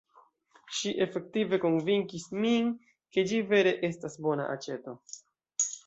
Ŝi efektive konvinkis min ke ĝi vere estas bona aĉeto.